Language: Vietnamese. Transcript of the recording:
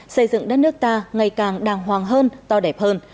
xây dựng đất nước ta ngày càng đàng hoàng hơn to đẹp hơn